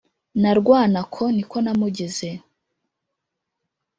Na Rwantako niko namugize